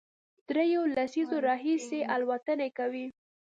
درېیو لسیزو راهیسې الوتنې کوي،